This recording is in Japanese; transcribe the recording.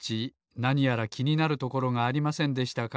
なにやらきになるところがありませんでしたか？